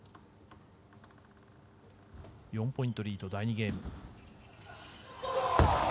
４ポイントリード、第２ゲーム。